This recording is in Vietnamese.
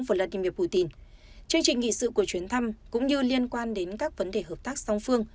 vladimir putin chương trình nghị sự của chuyến thăm cũng như liên quan đến các vấn đề hợp tác song phương